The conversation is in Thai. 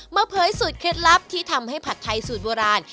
เผยสูตรเคล็ดลับที่ทำให้ผัดไทยสูตรโบราณ